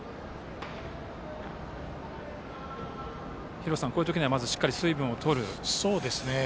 廣瀬さん、こういう時にはまずしっかり水分を取る。